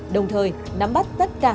đồng thời nắm bắt tất cả